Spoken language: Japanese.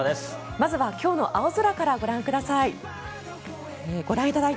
まずは今日の青空からご覧ください。